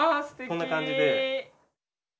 こんな感じで。